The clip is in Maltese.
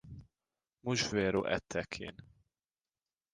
Mhux veru għidt hekk jien.